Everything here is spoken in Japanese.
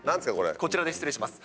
こちらで失礼します。